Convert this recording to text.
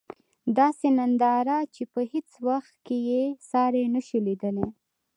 داسې ننداره چې په هیڅ وخت کې یې ساری نشو لېدلی.